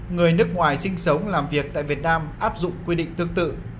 người nước ngoài sinh sống làm việc tại việt nam áp dụng quy định tương tự